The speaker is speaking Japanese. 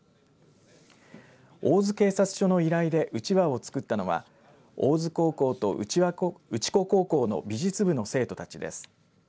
大洲警察署の依頼でうちわを作ったのは大洲高校と内子高校の美術部の生徒たちです。